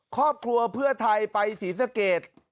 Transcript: ครอบครัวเพื่อไทยไปศรีสะเกด